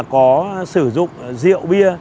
có sử dụng rượu bia